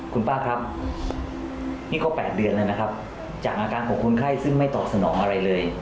คุณป้าครับนี่ก็๘เดือนแล้วนะครับจากอาการของคนไข้ซึ่งไม่ตอบสนองอะไรเลย